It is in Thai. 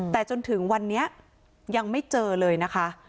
แต่จนถึงวันนี้ยังไม่เจอเลยนะคะ